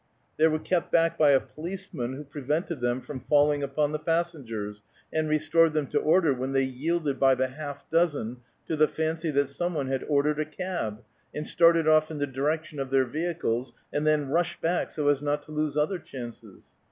They were kept back by a policeman who prevented them from falling upon the passengers, and restored them to order when they yielded by the half dozen to the fancy that some one had ordered a cab, and started off in the direction of their vehicles, and then rushed back so as not to lose other chances.